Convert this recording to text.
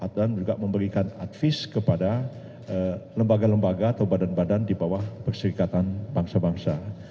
dan juga memberikan advis kepada lembaga lembaga atau badan badan di bawah perserikatan bangsa bangsa